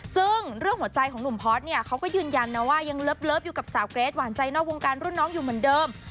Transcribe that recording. ซึ่งเรื่องหัวใจของหนุ่มพอร์ตเนี่ยเขาก็ยืนยันนะว่ายังเลิฟอยู่กับสาวเกรทหวานใจนอกวงการรุ่นน้องอยู่เหมือนเดิม